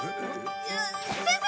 先生！